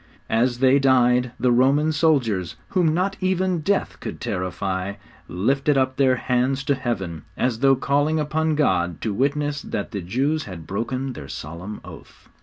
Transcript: As they died the Roman soldiers, whom not even death could terrify, lifted up their hands to Heaven, as though calling upon God to witness that the Jews had broken their solemn oath.